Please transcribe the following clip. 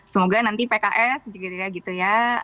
semoga nanti pks juga gitu ya